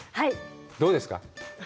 どうですか？